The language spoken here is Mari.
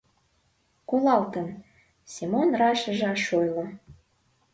— Колалтын, — Семон рашыже ыш ойло.